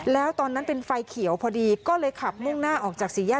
แล้วตอนนั้นเป็นไฟเขียวพอดีก็เลยขับมุ่งหน้าออกจากสี่แยก